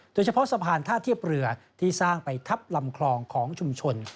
โดยเฉพาะสะพานท่าเทียบเรือที่สร้างไปทับลำคลองของชุมชน